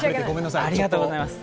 ありがとうございます。